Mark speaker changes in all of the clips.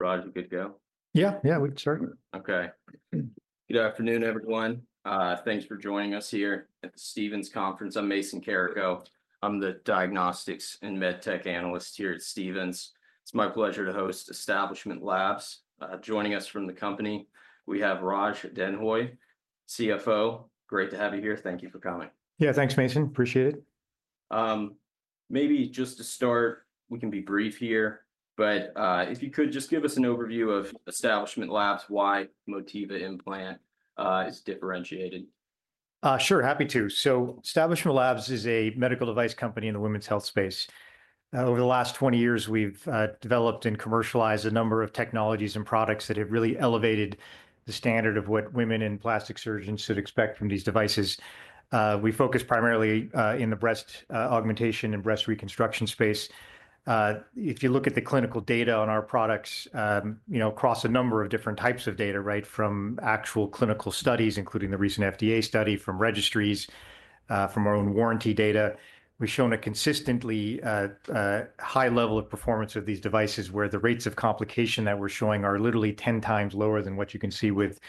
Speaker 1: Raj, we could go?
Speaker 2: Yeah, yeah, we'd start.
Speaker 1: Okay. Good afternoon, everyone. Thanks for joining us here at the Stephens Conference. I'm Mason Carrico. I'm the diagnostics and medtech analyst here at Stephens. It's my pleasure to host Establishment Labs. Joining us from the company, we have Raj Denhoy, CFO. Great to have you here. Thank you for coming.
Speaker 2: Yeah, thanks, Mason. Appreciate it.
Speaker 1: Maybe just to start, we can be brief here, but if you could just give us an overview of Establishment Labs, why Motiva Implant is differentiated?
Speaker 2: Sure, happy to. So Establishment Labs is a medical device company in the women's health space. Over the last 20 years, we've developed and commercialized a number of technologies and products that have really elevated the standard of what women and plastic surgeons should expect from these devices. We focus primarily in the breast augmentation and breast reconstruction space. If you look at the clinical data on our products, you know, across a number of different types of data, right, from actual clinical studies, including the recent FDA study from registries, from our own warranty data, we've shown a consistently high level of performance of these devices where the rates of complication that we're showing are literally 10 times lower than what you can see with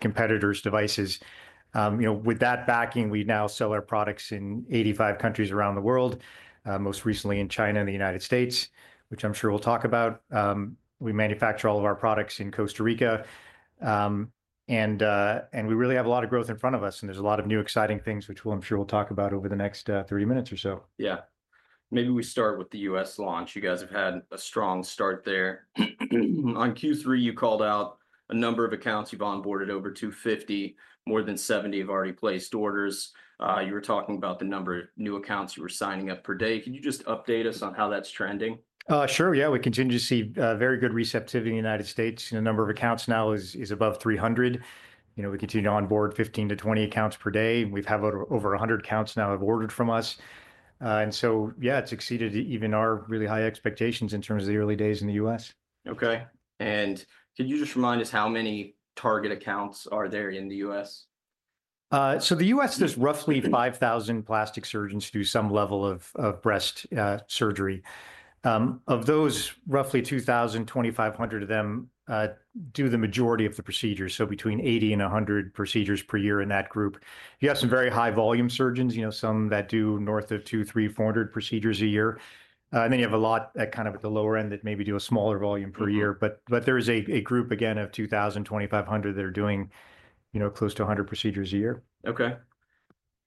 Speaker 2: competitors' devices. You know, with that backing, we now sell our products in 85 countries around the world, most recently in China and the United States, which I'm sure we'll talk about. We manufacture all of our products in Costa Rica, and we really have a lot of growth in front of us, and there's a lot of new exciting things, which we'll, I'm sure we'll talk about over the next 30 minutes or so.
Speaker 1: Yeah. Maybe we start with the U.S. launch. You guys have had a strong start there. On Q3, you called out a number of accounts you've onboarded over 250, more than 70 have already placed orders. You were talking about the number of new accounts you were signing up per day. Can you just update us on how that's trending?
Speaker 2: Sure, yeah. We continue to see very good receptivity in the United States. You know, number of accounts now is above 300. You know, we continue to onboard 15-20 accounts per day. We've had over 100 accounts now have ordered from us. And so, yeah, it's exceeded even our really high expectations in terms of the early days in the U.S.
Speaker 1: Okay. And could you just remind us how many target accounts are there in the U.S.?
Speaker 2: So the U.S., there's roughly 5,000 plastic surgeons who do some level of breast surgery. Of those, roughly 2,000-2,500 of them do the majority of the procedures, so between 80 and 100 procedures per year in that group. You have some very high volume surgeons, you know, some that do north of 200, 300-400 procedures a year. And then you have a lot at kind of the lower end that maybe do a smaller volume per year. But there is a group, again, of 2,000-2,500 that are doing, you know, close to 100 procedures a year.
Speaker 1: Okay.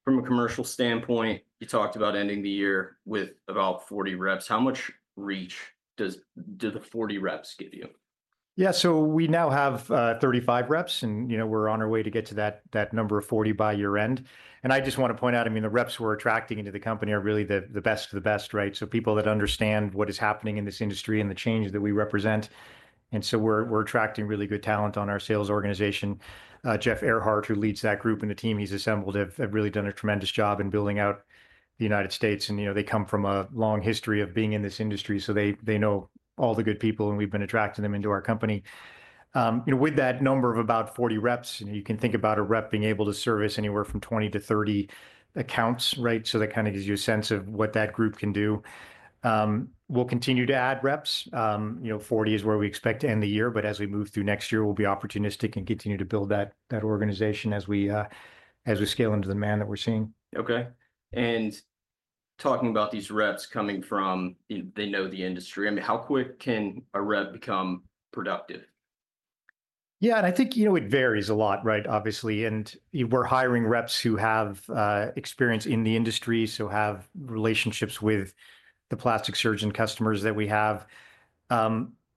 Speaker 1: From a commercial standpoint, you talked about ending the year with about 40 reps. How much reach do the 40 reps give you?
Speaker 2: Yeah, so we now have 35 reps, and, you know, we're on our way to get to that number of 40 by year-end. And I just want to point out, I mean, the reps we're attracting into the company are really the best of the best, right? So people that understand what is happening in this industry and the change that we represent. And so we're attracting really good talent on our sales organization. Jeff Ehrhardt, who leads that group and the team he's assembled, have really done a tremendous job in building out the United States. And, you know, they come from a long history of being in this industry, so they know all the good people, and we've been attracting them into our company. You know, with that number of about 40 reps, you can think about a rep being able to service anywhere from 20-30 accounts, right? So that kind of gives you a sense of what that group can do. We'll continue to add reps. You know, 40 is where we expect to end the year, but as we move through next year, we'll be opportunistic and continue to build that organization as we scale into the demand that we're seeing.
Speaker 1: Okay. And talking about these reps coming from, you know, they know the industry. I mean, how quick can a rep become productive?
Speaker 2: Yeah, and I think, you know, it varies a lot, right, obviously. And we're hiring reps who have experience in the industry, so have relationships with the plastic surgeon customers that we have.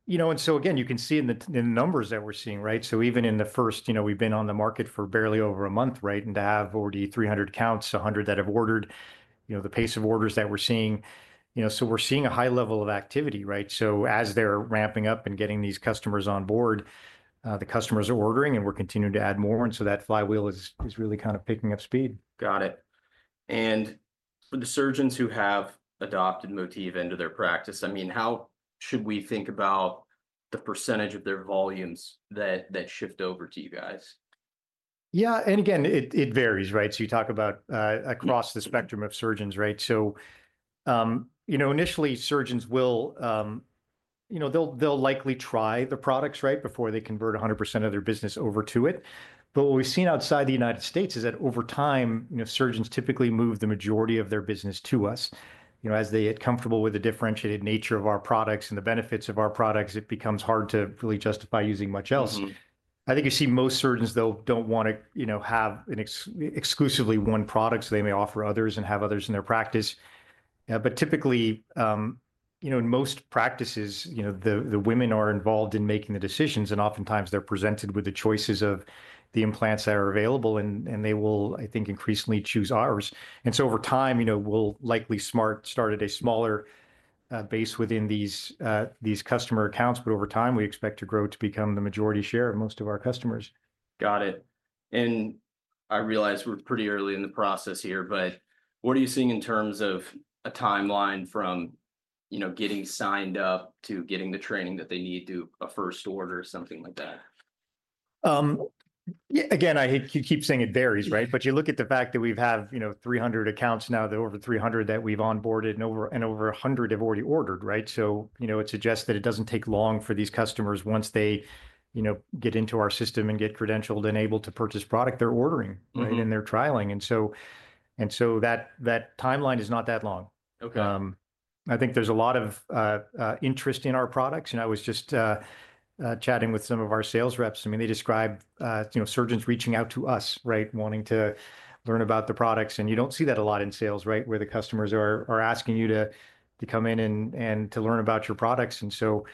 Speaker 2: You know, and so again, you can see in the numbers that we're seeing, right? So even in the first, you know, we've been on the market for barely over a month, right? And to have already 300 accounts, 100 that have ordered, you know, the pace of orders that we're seeing, you know, so we're seeing a high level of activity, right? So as they're ramping up and getting these customers on board, the customers are ordering, and we're continuing to add more. And so that flywheel is really kind of picking up speed.
Speaker 1: Got it. And for the surgeons who have adopted Motiva into their practice, I mean, how should we think about the percentage of their volumes that shift over to you guys?
Speaker 2: Yeah, and again, it varies, right? So you talk about across the spectrum of surgeons, right? So, you know, initially, surgeons will, you know, they'll likely try the products, right, before they convert 100% of their business over to it. But what we've seen outside the United States is that over time, you know, surgeons typically move the majority of their business to us. You know, as they get comfortable with the differentiated nature of our products and the benefits of our products, it becomes hard to really justify using much else. I think you see most surgeons, though, don't want to, you know, have exclusively one product, so they may offer others and have others in their practice. But typically, you know, in most practices, you know, the women are involved in making the decisions, and oftentimes they're presented with the choices of the implants that are available, and they will, I think, increasingly choose ours. And so over time, you know, we'll likely start at a smaller base within these customer accounts, but over time, we expect to grow to become the majority share of most of our customers.
Speaker 1: Got it. And I realize we're pretty early in the process here, but what are you seeing in terms of a timeline from, you know, getting signed up to getting the training that they need to do a first order or something like that?
Speaker 2: Again, I keep saying it varies, right? But you look at the fact that we have, you know, 300 accounts now, the over 300 that we've onboarded, and over 100 have already ordered, right? So, you know, it suggests that it doesn't take long for these customers once they, you know, get into our system and get credentialed and able to purchase product, they're ordering, right, and they're trialing. And so that timeline is not that long.
Speaker 1: Okay.
Speaker 2: I think there's a lot of interest in our products. You know, I was just chatting with some of our sales reps. I mean, they describe, you know, surgeons reaching out to us, right, wanting to learn about the products. And you don't see that a lot in sales, right, where the customers are asking you to come in and to learn about your products. And so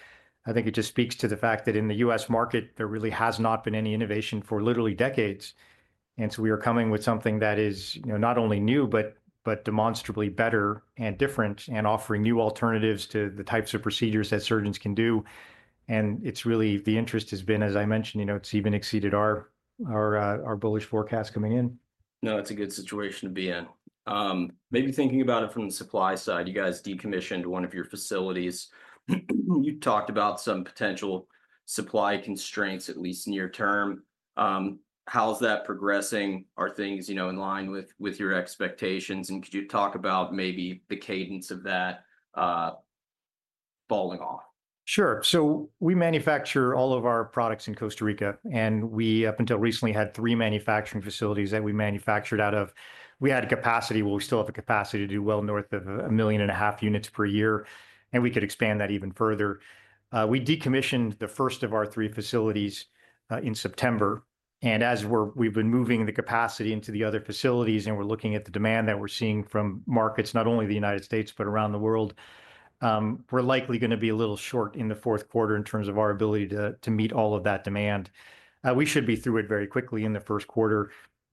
Speaker 2: I think it just speaks to the fact that in the U.S. market, there really has not been any innovation for literally decades. And so we are coming with something that is, you know, not only new, but demonstrably better and different, and offering new alternatives to the types of procedures that surgeons can do. And it's really the interest has been, as I mentioned, you know, it's even exceeded our bullish forecast coming in.
Speaker 1: No, it's a good situation to be in. Maybe thinking about it from the supply side, you guys decommissioned one of your facilities. You talked about some potential supply constraints, at least near term. How's that progressing? Are things, you know, in line with your expectations? And could you talk about maybe the cadence of that falling off?
Speaker 2: Sure. So we manufacture all of our products in Costa Rica, and we, up until recently, had three manufacturing facilities that we manufactured out of. We had capacity. We still have the capacity to do well north of 1.5 million units per year, and we could expand that even further. We decommissioned the first of our three facilities in September, and as we've been moving the capacity into the other facilities, and we're looking at the demand that we're seeing from markets, not only the United States, but around the world, we're likely going to be a little short in the fourth quarter in terms of our ability to meet all of that demand. We should be through it very quickly in the first quarter.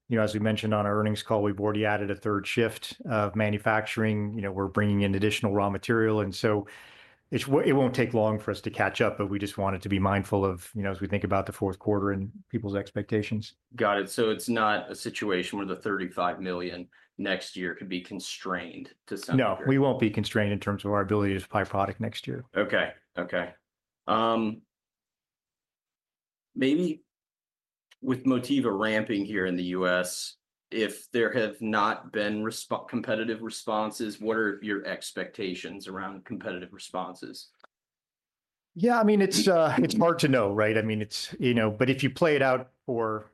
Speaker 2: You know, as we mentioned on our earnings call, we've already added a third shift of manufacturing. You know, we're bringing in additional raw material. And so it won't take long for us to catch up, but we just wanted to be mindful of, you know, as we think about the fourth quarter and people's expectations.
Speaker 1: Got it. So it's not a situation where the $35 million next year could be constrained to something.
Speaker 2: No, we won't be constrained in terms of our ability to supply product next year.
Speaker 1: Okay, okay. Maybe with Motiva ramping here in the U.S., if there have not been competitive responses, what are your expectations around competitive responses?
Speaker 2: Yeah, I mean, it's hard to know, right? I mean, it's, you know, but if you play it out for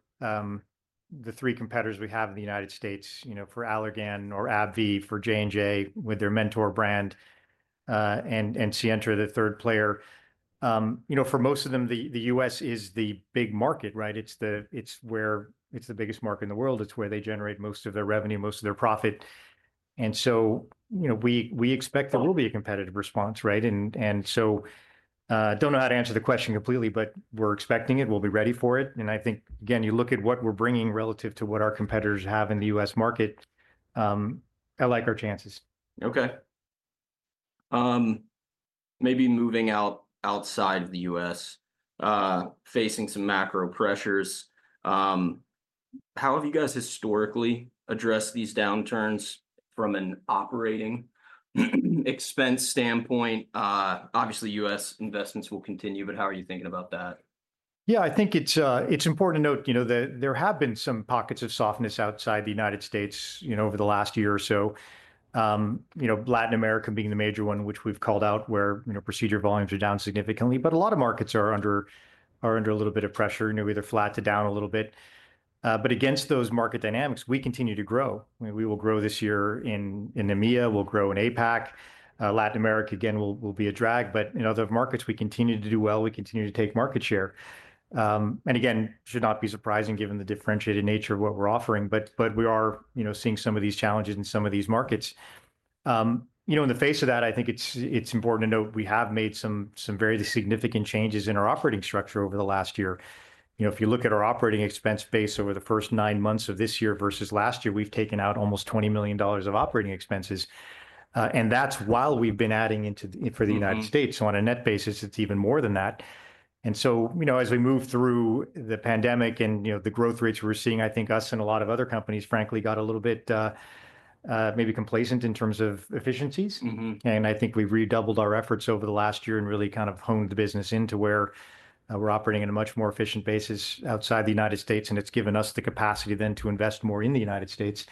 Speaker 2: the three competitors we have in the United States, you know, for Allergan or AbbVie, for J&J with their Mentor brand, and Sientra, the third player, you know, for most of them, the U.S. is the big market, right? It's where it's the biggest market in the world. It's where they generate most of their revenue, most of their profit. And so, you know, we expect there will be a competitive response, right? And so I don't know how to answer the question completely, but we're expecting it. We'll be ready for it. And I think, again, you look at what we're bringing relative to what our competitors have in the U.S. market, I like our chances.
Speaker 1: Okay. Maybe moving outside of the U.S., facing some macro pressures. How have you guys historically addressed these downturns from an operating expense standpoint? Obviously, U.S. investments will continue, but how are you thinking about that?
Speaker 2: Yeah, I think it's important to note, you know, that there have been some pockets of softness outside the United States, you know, over the last year or so. You know, Latin America being the major one, which we've called out where, you know, procedure volumes are down significantly. But a lot of markets are under a little bit of pressure, you know, either flat to down a little bit. But against those market dynamics, we continue to grow. We will grow this year in EMEA, we'll grow in APAC. Latin America, again, will be a drag. But in other markets, we continue to do well. We continue to take market share. And again, should not be surprising given the differentiated nature of what we're offering. But we are, you know, seeing some of these challenges in some of these markets. You know, in the face of that, I think it's important to note we have made some very significant changes in our operating structure over the last year. You know, if you look at our operating expense base over the first nine months of this year versus last year, we've taken out almost $20 million of operating expenses. And that's while we've been adding into for the United States. So on a net basis, it's even more than that. And so, you know, as we move through the pandemic and, you know, the growth rates we're seeing, I think us and a lot of other companies, frankly, got a little bit maybe complacent in terms of efficiencies. And I think we've redoubled our efforts over the last year and really kind of honed the business into where we're operating on a much more efficient basis outside the United States. And it's given us the capacity then to invest more in the United States.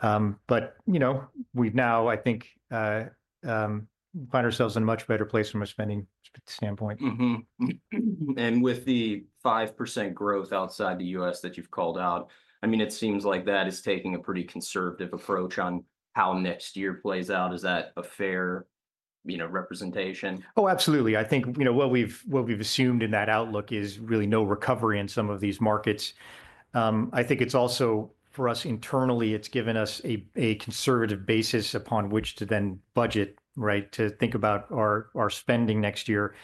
Speaker 2: But, you know, we now, I think, find ourselves in a much better place from a spending standpoint.
Speaker 1: With the 5% growth outside the U.S. that you've called out, I mean, it seems like that is taking a pretty conservative approach on how next year plays out. Is that a fair, you know, representation?
Speaker 2: Oh, absolutely. I think, you know, what we've assumed in that outlook is really no recovery in some of these markets. I think it's also for us internally, it's given us a conservative basis upon which to then budget, right, to think about our spending next year.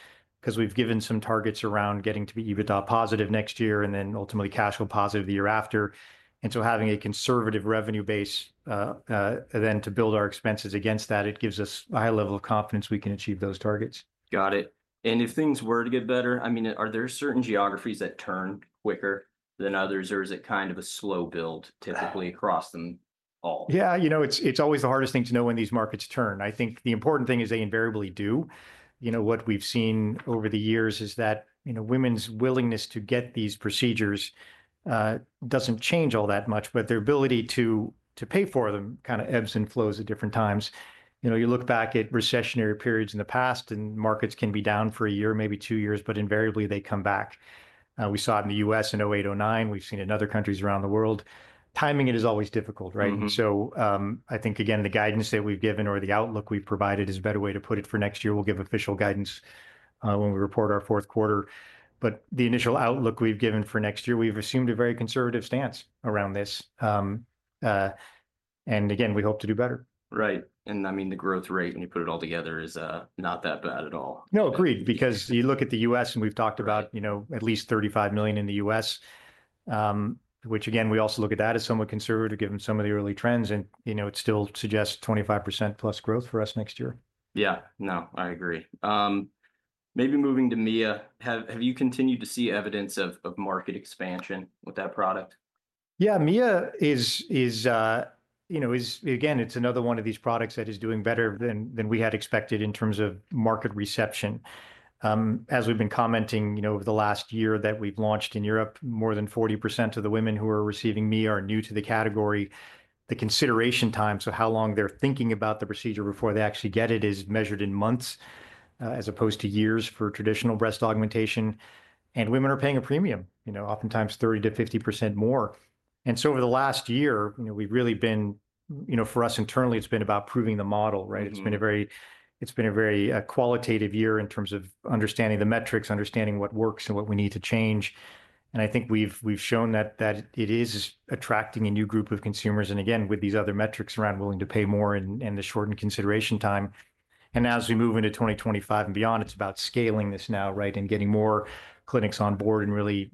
Speaker 2: Because we've given some targets around getting to be EBITDA positive next year and then ultimately cash flow positive the year after, and so having a conservative revenue base then to build our expenses against that, it gives us a high level of confidence we can achieve those targets.
Speaker 1: Got it. And if things were to get better, I mean, are there certain geographies that turn quicker than others, or is it kind of a slow build typically across them all?
Speaker 2: Yeah, you know, it's always the hardest thing to know when these markets turn. I think the important thing is they invariably do. You know, what we've seen over the years is that, you know, women's willingness to get these procedures doesn't change all that much, but their ability to pay for them kind of ebbs and flows at different times. You know, you look back at recessionary periods in the past, and markets can be down for a year, maybe two years, but invariably they come back. We saw it in the U.S. in 2008, 2009. We've seen it in other countries around the world. Timing it is always difficult, right? And so I think, again, the guidance that we've given or the outlook we've provided is a better way to put it for next year. We'll give official guidance when we report our fourth quarter. But the initial outlook we've given for next year, we've assumed a very conservative stance around this. And again, we hope to do better.
Speaker 1: Right. And I mean, the growth rate, when you put it all together, is not that bad at all.
Speaker 2: No, agreed. Because you look at the U.S., and we've talked about, you know, at least $35 million in the U.S., which again, we also look at that as somewhat conservative given some of the early trends. You know, it still suggests 25%+ growth for us next year.
Speaker 1: Yeah, no, I agree. Maybe moving to Mia, have you continued to see evidence of market expansion with that product?
Speaker 2: Yeah, Mia is, you know, again, it's another one of these products that is doing better than we had expected in terms of market reception. As we've been commenting, you know, over the last year that we've launched in Europe, more than 40% of the women who are receiving Mia are new to the category. The consideration time, so how long they're thinking about the procedure before they actually get it, is measured in months as opposed to years for traditional breast augmentation. And women are paying a premium, you know, oftentimes 30%-50% more. And so over the last year, you know, we've really been, you know, for us internally, it's been about proving the model, right? It's been a very qualitative year in terms of understanding the metrics, understanding what works and what we need to change. I think we've shown that it is attracting a new group of consumers. And again, with these other metrics around willing to pay more and the shortened consideration time. And as we move into 2025 and beyond, it's about scaling this now, right, and getting more clinics on board and really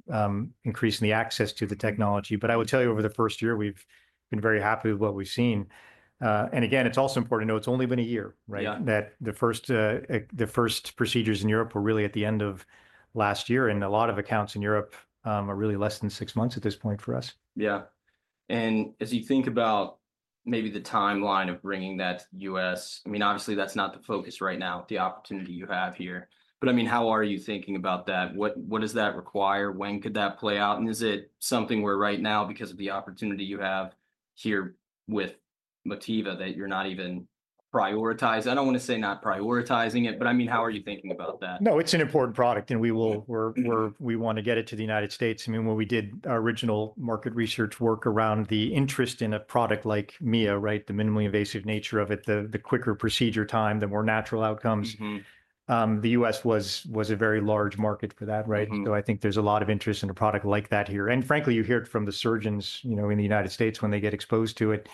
Speaker 2: increasing the access to the technology. But I would tell you over the first year, we've been very happy with what we've seen. And again, it's also important to know it's only been a year, right? That the first procedures in Europe were really at the end of last year. And a lot of accounts in Europe are really less than six months at this point for us.
Speaker 1: Yeah. And as you think about maybe the timeline of bringing that to the U.S., I mean, obviously that's not the focus right now, the opportunity you have here. But I mean, how are you thinking about that? What does that require? When could that play out? And is it something where right now, because of the opportunity you have here with Motiva, that you're not even prioritizing? I don't want to say not prioritizing it, but I mean, how are you thinking about that?
Speaker 2: No, it's an important product, and we want to get it to the United States. I mean, when we did our original market research work around the interest in a product like Mia, right, the minimally invasive nature of it, the quicker procedure time, the more natural outcomes, the U.S. was a very large market for that, right? So I think there's a lot of interest in a product like that here. And frankly, you hear it from the surgeons, you know, in the United States when they get exposed to it.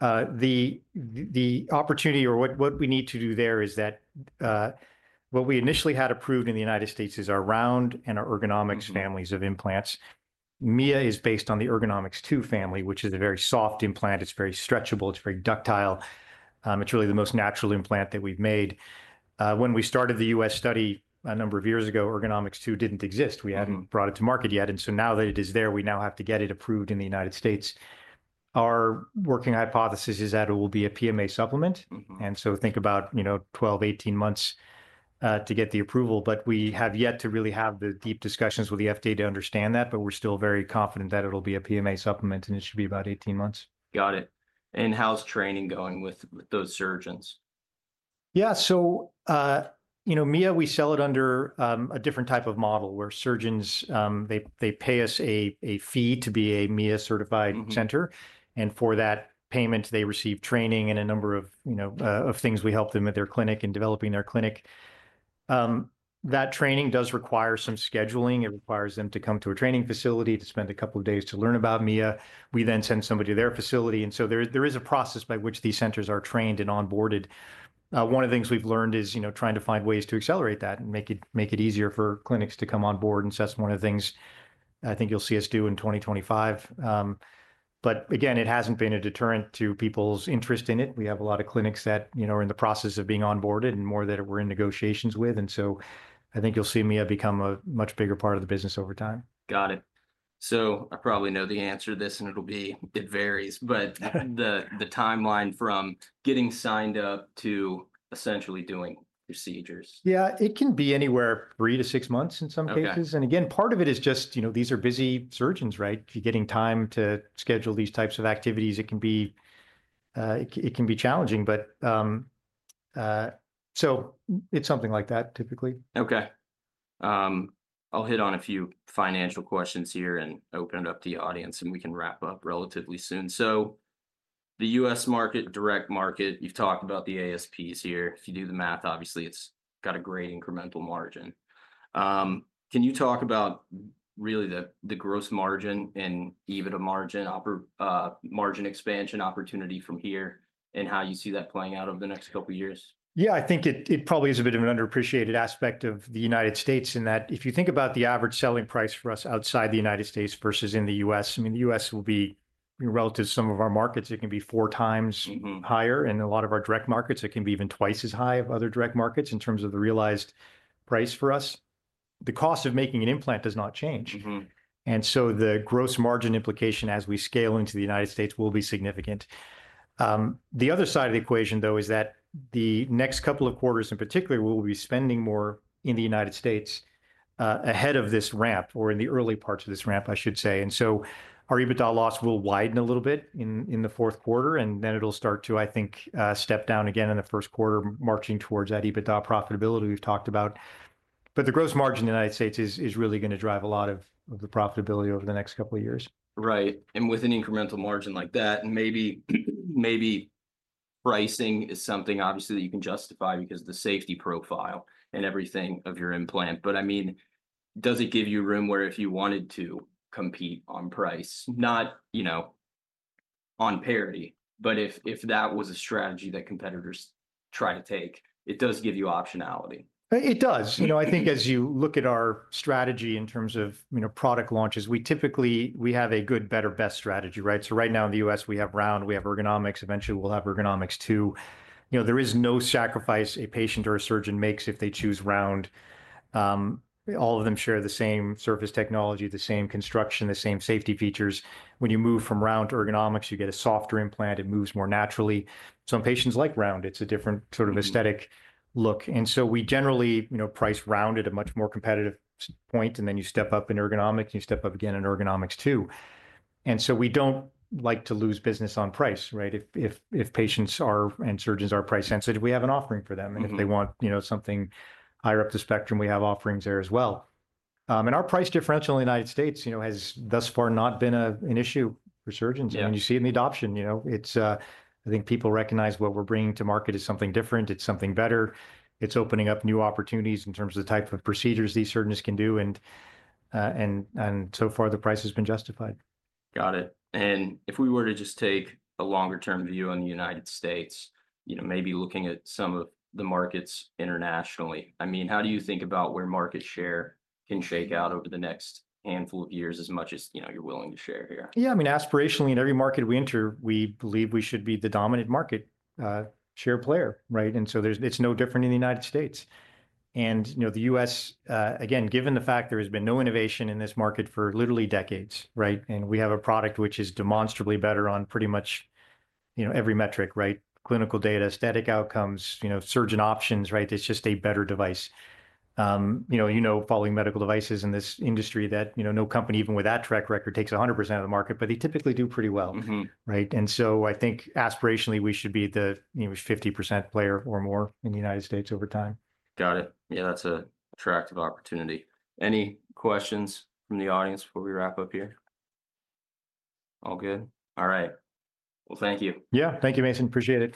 Speaker 2: The opportunity or what we need to do there is that what we initially had approved in the United States is our round and our Ergonomix families of implants. Mia is based on the Ergonomix2 family, which is a very soft implant. It's very stretchable. It's very ductile. It's really the most natural implant that we've made. When we started the U.S. study a number of years ago, Ergonomix2 didn't exist. We hadn't brought it to market yet, and so now that it is there, we now have to get it approved in the United States. Our working hypothesis is that it will be a PMA supplement, and so think about, you know, 12-18 months to get the approval. But we have yet to really have the deep discussions with the FDA to understand that, but we're still very confident that it'll be a PMA supplement, and it should be about 18 months.
Speaker 1: Got it. And how's training going with those surgeons?
Speaker 2: Yeah, so, you know, Mia, we sell it under a different type of model where surgeons, they pay us a fee to be a Mia certified center. And for that payment, they receive training and a number of, you know, things we help them at their clinic and developing their clinic. That training does require some scheduling. It requires them to come to a training facility, to spend a couple of days to learn about Mia. We then send somebody to their facility. And so there is a process by which these centers are trained and onboarded. One of the things we've learned is, you know, trying to find ways to accelerate that and make it easier for clinics to come on board. And so that's one of the things I think you'll see us do in 2025. But again, it hasn't been a deterrent to people's interest in it. We have a lot of clinics that, you know, are in the process of being onboarded and more that we're in negotiations with. And so I think you'll see Mia become a much bigger part of the business over time.
Speaker 1: Got it. So I probably know the answer to this, and it'll be, it varies, but the timeline from getting signed up to essentially doing procedures.
Speaker 2: Yeah, it can be anywhere three to six months in some cases. And again, part of it is just, you know, these are busy surgeons, right? If you're getting time to schedule these types of activities, it can be challenging. But so it's something like that typically.
Speaker 1: Okay. I'll hit on a few financial questions here and open it up to the audience, and we can wrap up relatively soon. So the U.S. market, direct market, you've talked about the ASPs here. If you do the math, obviously it's got a great incremental margin. Can you talk about really the gross margin and EBITDA margin, margin expansion opportunity from here and how you see that playing out over the next couple of years?
Speaker 2: Yeah, I think it probably is a bit of an underappreciated aspect of the United States in that if you think about the average selling price for us outside the United States versus in the U.S. I mean, the U.S. will be relative to some of our markets, it can be four times higher, and a lot of our direct markets, it can be even twice as high of other direct markets in terms of the realized price for us. The cost of making an implant does not change, and so the gross margin implication as we scale into the United States will be significant. The other side of the equation, though, is that the next couple of quarters in particular, we'll be spending more in the United States ahead of this ramp or in the early parts of this ramp, I should say. And so our EBITDA loss will widen a little bit in the fourth quarter, and then it'll start to, I think, step down again in the first quarter, marching towards that EBITDA profitability we've talked about. But the gross margin in the United States is really going to drive a lot of the profitability over the next couple of years.
Speaker 1: Right. And with an incremental margin like that, maybe pricing is something obviously that you can justify because of the safety profile and everything of your implant. But I mean, does it give you room where if you wanted to compete on price, not, you know, on parity, but if that was a strategy that competitors try to take? It does give you optionality.
Speaker 2: It does. You know, I think as you look at our strategy in terms of, you know, product launches, we typically, we have a good, better, best strategy, right? So right now in the U.S., we have round, we have Ergonomix, eventually we'll have Ergonomix2. You know, there is no sacrifice a patient or a surgeon makes if they choose round. All of them share the same surface technology, the same construction, the same safety features. When you move from round to Ergonomix, you get a softer implant. It moves more naturally. Some patients like round. It's a different sort of aesthetic look. And so we generally, you know, price round at a much more competitive point. And then you step up in Ergonomix, you step up again in Ergonomix2. And so we don't like to lose business on price, right? If patients and surgeons are price sensitive, we have an offering for them. And if they want, you know, something higher up the spectrum, we have offerings there as well. And our price differential in the United States, you know, has thus far not been an issue for surgeons. And you see it in the adoption, you know, it's, I think people recognize what we're bringing to market is something different. It's something better. It's opening up new opportunities in terms of the type of procedures these surgeons can do. And so far the price has been justified.
Speaker 1: Got it. And if we were to just take a longer-term view on the United States, you know, maybe looking at some of the markets internationally, I mean, how do you think about where market share can shake out over the next handful of years as much as, you know, you're willing to share here?
Speaker 2: Yeah, I mean, aspirationally in every market we enter, we believe we should be the dominant market share player, right? And so there's, it's no different in the United States. And, you know, the U.S., again, given the fact there has been no innovation in this market for literally decades, right? And we have a product which is demonstrably better on pretty much, you know, every metric, right? Clinical data, aesthetic outcomes, you know, surgeon options, right? It's just a better device. You know, following medical devices in this industry that, you know, no company even with that track record takes 100% of the market, but they typically do pretty well, right? And so I think aspirationally we should be the, you know, 50% player or more in the United States over time.
Speaker 1: Got it. Yeah, that's an attractive opportunity. Any questions from the audience before we wrap up here? All good? All right. Well, thank you.
Speaker 2: Yeah, thank you, Mason. Appreciate it.